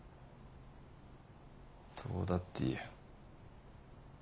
どうだっていい。